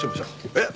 えっ？